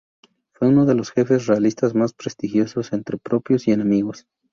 Fue uno de los jefes realistas más prestigioso entre propios y enemigos.